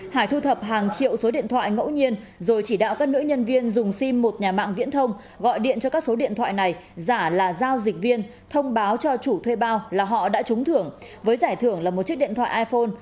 hải thu thập hàng triệu số điện thoại ngẫu nhiên rồi chỉ đạo các nữ nhân viên dùng sim một nhà mạng viễn thông gọi điện cho các số điện thoại này giả là giao dịch viên thông báo cho chủ thuê bao là họ đã trúng thưởng với giải thưởng là một chiếc điện thoại iphone